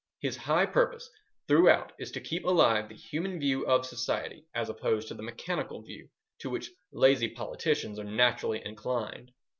His high purpose throughout is to keep alive the human view of society, as opposed to the mechanical view to which lazy politicians are naturally inclined.